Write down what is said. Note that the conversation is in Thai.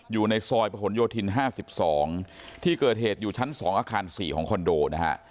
อยู่ในซอยประหลโยธิน๕๒ที่เกิดเหตุอยู่ชั้น๒อาคาร๔ของคอนโดนะฮะ